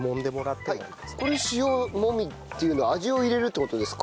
これ塩もみっていうのは味を入れるって事ですか？